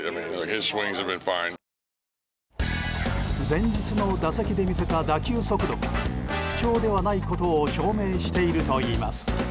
前日の打席で見せた打球速度が不調ではないことを証明しているといいます。